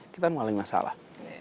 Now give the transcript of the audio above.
kita mengalami masalah